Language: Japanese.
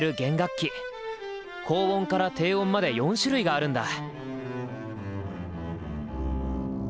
高音から低音まで４種類があるんだ。